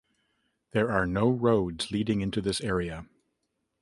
There are no roads leading into this area.